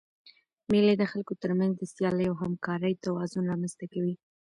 مېلې د خلکو تر منځ د سیالۍ او همکارۍ توازن رامنځ ته کوي.